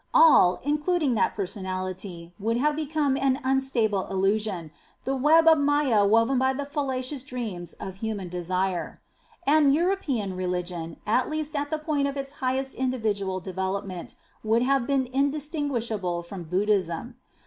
All, including that personality, would have become an unstable illusion, the web of Maia woven by the falla cious dreams of human desire. And European religion, at least at the point of its highest individual development, would have been indistinguishable from Buddhism.